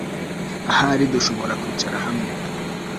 Ahari dushobora kwicara hamwe